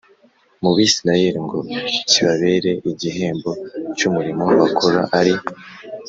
mu Bisirayeli ngo kibabere igihembo cy umurimo bakora ari